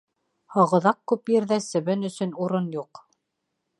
Һағыҙаҡ күп ерҙә себен өсөн урын юҡ.